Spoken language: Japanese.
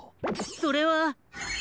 それは。